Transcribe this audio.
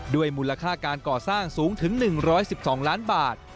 มูลค่าการก่อสร้างสูงถึง๑๑๒ล้านบาท